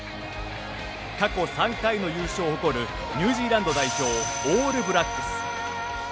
過去３回の優勝を誇るニュージーランド代表オールブラックス。